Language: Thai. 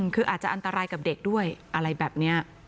คืออาจจะอันตรายกับเด็กด้วยอะไรแบบนี้